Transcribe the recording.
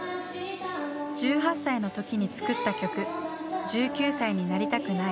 １８歳の時に作った曲「１９歳になりたくない」。